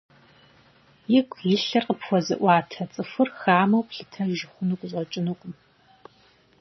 Игу илъыр къыпхуэзыӀуатэ цӀыхур хамэу плъытэж хъуну къыщӀэкӀынукъым.